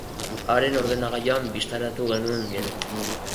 Haren ordenagailuan bistaratu genuen gero.